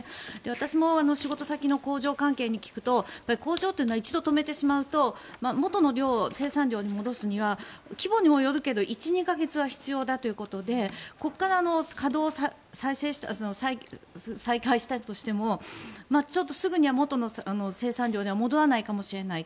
私も仕事先の工場関係に聞くと工場というのは一度止めてしまうと元の量、生産量に戻すには規模にもよるけど１２か月は必要だということでここから稼働再開してもちょっとすぐには元の生産量には戻らないかもしれない。